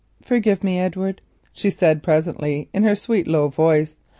"Forgive me, Edward," she said presently, in her sweet low voice.